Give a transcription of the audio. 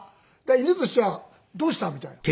犬としてはどうした？みたいな。